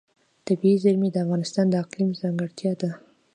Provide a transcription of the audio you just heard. طبیعي زیرمې د افغانستان د اقلیم ځانګړتیا ده.